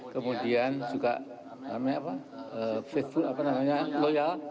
kemudian juga loyal